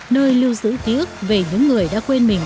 nơi lưu giữ ký ức về những người đã quên mình